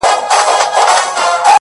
خو زه بيا داسي نه يم؛